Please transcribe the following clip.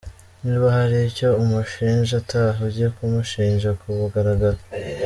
Niba hari icyo umushinja taha ujye kumushinja ku mugaragaro!